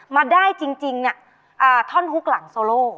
มาได้จริงท่อนฮุกหลังโซโล